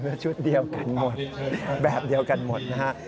ชุดเดียวกันหมดแบบเดียวกันหมดนะฮะ